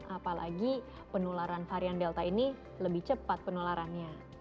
apalagi penularan varian delta ini lebih cepat penularannya